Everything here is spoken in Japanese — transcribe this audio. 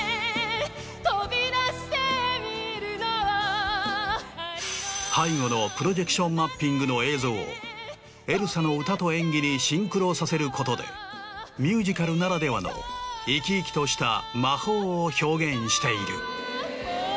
飛び出してみるの背後のプロジェクションマッピングの映像をエルサの歌と演技にシンクロさせることでミュージカルならではの生き生きとした魔法を表現している。